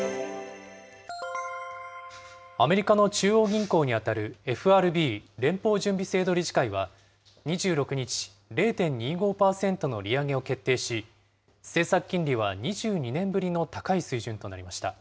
アメリカの中央銀行に当たるＦＲＢ・連邦準備制度理事会は、２６日、０．２５％の利上げを決定し、政策金利は２２年ぶりの高い水準となりました。